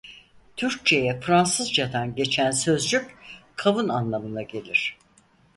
Türkçeye Fransızcadan geçen sözcük kavun anlamına gelir.